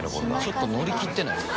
ちょっと乗り切ってないです。